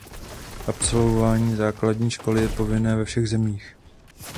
Absolvování základní školy je povinné ve všech zemích.